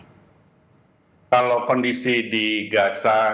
kalau kondisi di gaza